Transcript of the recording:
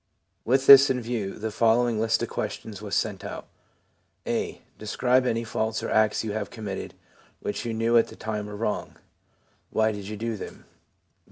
With this in view, the following list of questions was sent out :— '(a) Describe any faults or acts you have committed which you knew at the time were wrong. Why did you do them